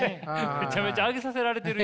めちゃめちゃ挙げさせられてるやん！